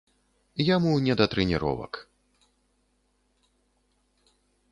Яму не да трэніровак.